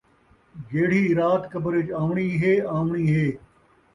جیڑھی رات قبر وچ آوݨی ہے، آوݨی ہے